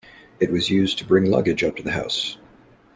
It was used to bring luggage up to the house.